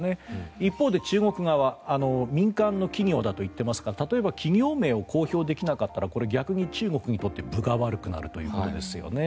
一方で中国側は民間の企業だと言っていますが例えば企業名を公表できなかったら逆に中国にとって分が悪くなるということですよね。